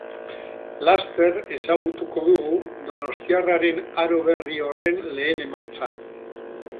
Laster ezagutuko dugu donostiarraren aro berri horren lehen emaitza.